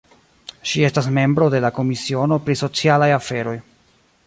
Ŝi estas membro de la komisiono pri socialaj aferoj.